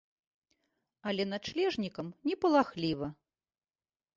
Але начлежнікам не палахліва.